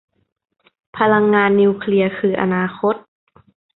พลังงานนิวเคลียร์คืออนาคต